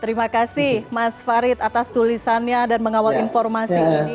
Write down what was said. terima kasih mas farid atas tulisannya dan mengawal informasi ini